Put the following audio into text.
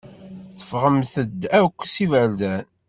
Teffɣemt-d akk s iberdan.